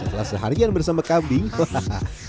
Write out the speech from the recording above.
setelah seharian bersama kambing hahaha